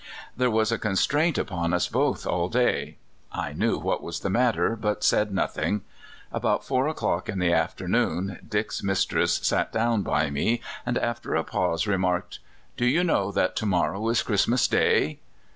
) There was a constraint upon us both all day. I knew what was the matter, but said nothing. About four o'clock in the afternoon Dick's mistress sat down by me, and, after a pause, remarked: "Do you know that to morrow is Christmas Day?